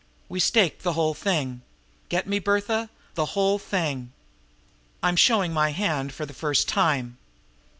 We stake the whole thing. Get me, Bertha the whole thing! I'm showing my hand for the first time.